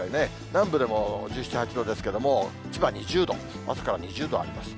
南部でも１７、８度ですけれども、千葉２０度、朝から２０度あります。